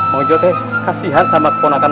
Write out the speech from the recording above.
maujotnya kasihan sama keponakan